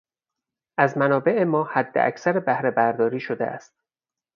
از منابع ما حداکثر بهرهبرداری شده است.